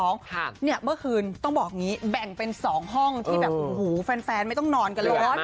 เนี่ยเมื่อคืนต้องบอกอย่างนี้แบ่งเป็น๒ห้องที่แบบโอ้โหแฟนไม่ต้องนอนกันเลย